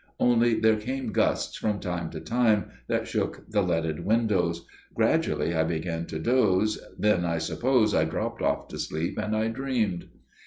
Only there came gusts from time to time that shook the leaded windows. Gradually I began to doze, then I suppose I dropped off to sleep, and I dreamed.